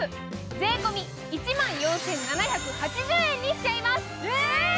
税込み１万４７８０円にしちゃいます。